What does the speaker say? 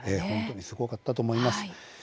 本当にすごかったと思います。